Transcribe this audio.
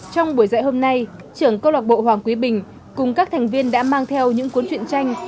trong buổi dạy hôm nay trưởng câu lạc bộ hoàng quý bình cùng các thành viên đã mang theo những cuốn truyện tranh